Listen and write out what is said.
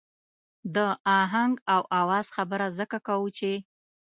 د آهنګ او آواز خبره ځکه کوو چې.